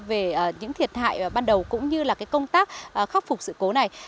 về những thiệt hại ban đầu cũng như là công tác khắc phục sự cố này